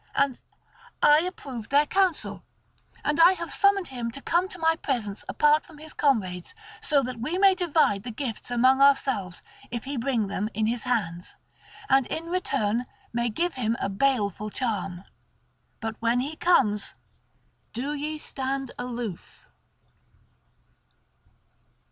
And I approved their counsel, and I have summoned him to come to my presence apart from his comrades, so that we may divide the gifts among ourselves if he bring them in his hands, and in return may give him a baleful charm. But when he comes, do ye stand aloof."